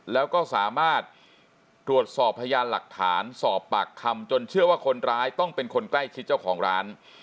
แล้วก็สามารถตรวจสอบพยานหลักฐานสอบปากคำจนเชื่อว่าคนร้ายต้องเป็นคนใกล้ชิดเจ้าของร้าน